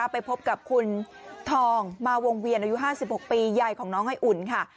ไปพบกับคุณทองมาวงเวียนอายุ๕๖ปียายของน้องไออุ่นค่ะ